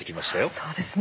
そうですね。